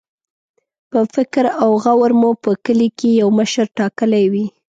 په فکر او غور مو په کلي کې یو مشر ټاکلی وي.